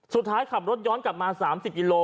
สุดท้ายขับรถย้อนกลับมา๓๐กิโล